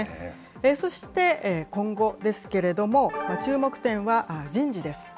そして、今後ですけれども、注目点は人事です。